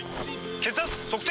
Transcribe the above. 血圧測定！